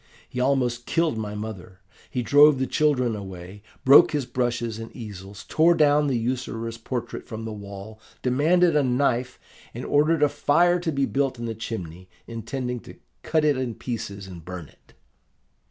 He almost killed my mother, he drove the children away, broke his brushes and easels, tore down the usurer's portrait from the wall, demanded a knife, and ordered a fire to be built in the chimney, intending to cut it in pieces and burn it.